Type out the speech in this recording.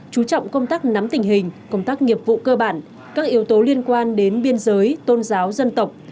chú trọng công tác nắm tình hình công tác nghiệp vụ cơ bản các yếu tố liên quan đến biên giới tôn giáo dân tộc